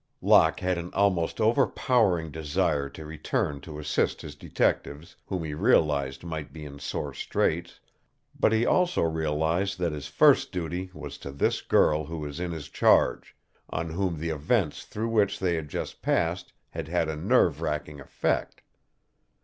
Locke had an almost overpowering desire to return to assist his detectives, whom he realized might be in sore straits, but he also realized that his first duty was to this girl who was in his charge, on whom the events through which they had just passed had had a nerve racking effect.